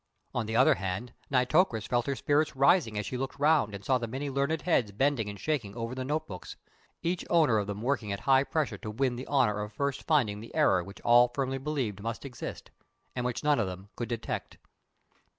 On the other hand, Nitocris felt her spirits rising as she looked round and saw the many learned heads bending and shaking over the note books, each owner of them working at high pressure to win the honour of first finding the error which all firmly believed must exist, and which none of them could detect.